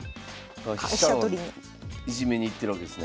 飛車をいじめにいってるわけですね。